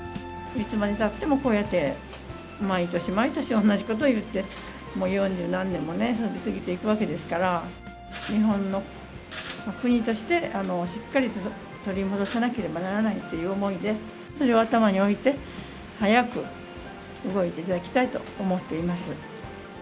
いつまでたっても、こうやって、毎年毎年同じことをいって、もう四十何年もね、過ぎていくわけですから、日本の国として、しっかりと取り戻さなければならないという思いで、それを頭に置いて、早く動いていただきたいと思っています。